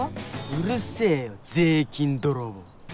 うるせぇよ税金泥棒。